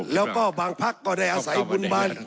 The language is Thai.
แล้วก็บางพักก็ได้อาศัยบุญบาน